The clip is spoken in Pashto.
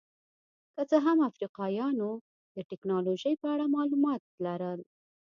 که څه هم افریقایانو د ټکنالوژۍ په اړه معلومات لرل.